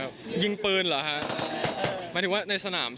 ผมเหมือนกับบันหน่อยเนี่ย